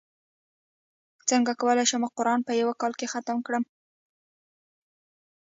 څنګه کولی شم قران په یوه کال کې ختم کړم